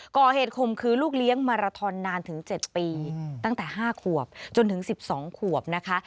คมคืนลูกเลี้ยงมาราทอนนานถึง๗ปีตั้งแต่๕ขวบจนถึง๑๒ขวบนะคะ